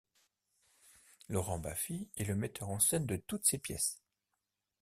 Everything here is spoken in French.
Laurent Baffie est le metteur en scène de toutes ses pièces.